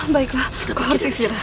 baiklah kau harus istirahat